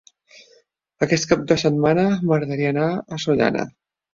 Aquest cap de setmana m'agradaria anar a Sollana.